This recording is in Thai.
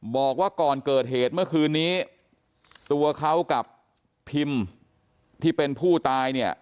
บอกว่าก่อนเกิดเหตุเมื่อคืนนี้ตัวเขากับพิมที่เป็นผู้ตายเนี่ย